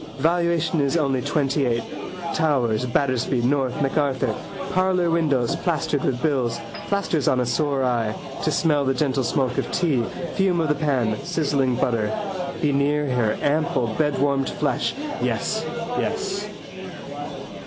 Valuation is only twentyeight. Towers, Battersby, North, MacArthur: parlour windows plastered with bills. Plasters on a sore eye. To smell the gentle smoke of tea, fume of the pan, sizzling butter. Be near her ample bedwarmed flesh. Yes, yes.